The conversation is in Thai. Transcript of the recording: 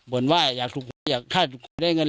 บ่นว่าอยากก้าวและฝนได้เงิน